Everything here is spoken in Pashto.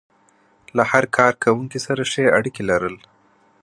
له هر کار کوونکي سره ښې اړيکې لرل.